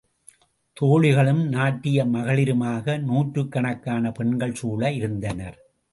தோழிகளும் நாட்டிய மகளிருமாக நூற்றுக்கணக்கான பெண்கள் சூழ இருந்தனர்.